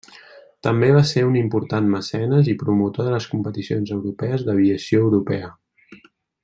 També va ser un important mecenes i promotor de les competicions europees d'aviació europea.